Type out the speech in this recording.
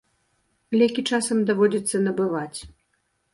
Лекі часам даводзіцца набываць.